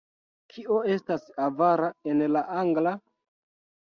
Kio estas avara en la angla?